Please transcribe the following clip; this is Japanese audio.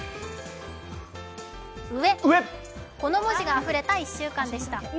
上、この文字があふれた１週間でした。